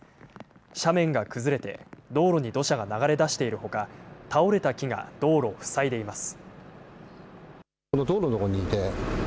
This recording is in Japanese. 斜面が崩れて道路に土砂が流れ出しているほか倒れた木が道路を塞いでいます。